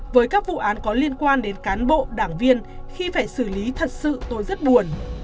với các vụ án có liên quan đến cán bộ đảng viên khi phải xử lý thật sự tôi rất buồn